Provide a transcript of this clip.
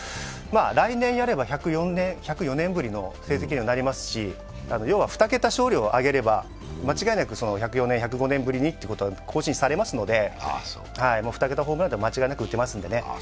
来年やれば１０４年ぶりの成績にはなりますし、要は２桁勝利を挙げれば１０４年、１０５年ぶりということで更新されますので２桁ホームランは間違い打てますのでね。